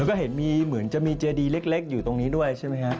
ก็เห็นมีเหมือนจะมีเจดีเล็กอยู่ตรงนี้ด้วยใช่ไหมฮะ